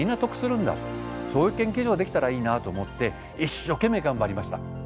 そういう研究所ができたらいいなと思って一生懸命頑張りました。